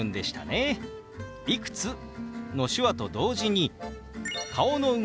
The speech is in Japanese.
「いくつ？」の手話と同時に顔の動き